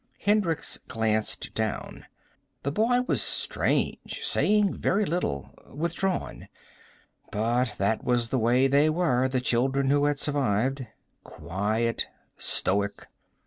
Hendricks glanced down. The boy was strange, saying very little. Withdrawn. But that was the way they were, the children who had survived. Quiet. Stoic.